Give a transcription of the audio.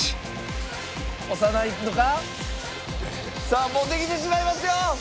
さあもうできてしまいますよ！